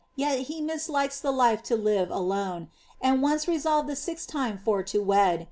Yet he mislikes tlie life to live aVoiie, And once resolved tlic sixth time for to wed.